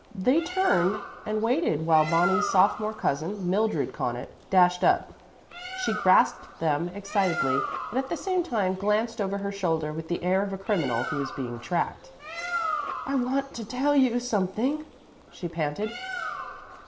They turned and waited while Bonnie's sophomore cousin, Mildred Connaught, dashed up. She grasped them excitedly, and at the same time glanced over her shoulder with the air of a criminal who is being tracked. "I want to tell you something," she panted.